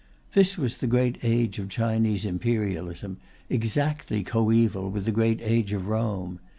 This was the great age of Chinese imperialism exactly coeval with the great age of Rome.